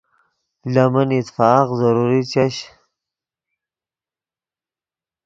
لے من اتفاق ضروری چش